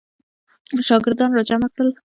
شاګردان را جمع کړل.